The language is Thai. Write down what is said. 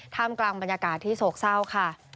กลางบรรยากาศที่โศกเศร้าค่ะ